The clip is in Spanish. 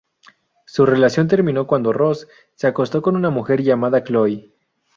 Su relación terminó cuando Ross se acostó con una mujer llamada Chloe.